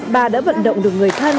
bà đã vận động được người thân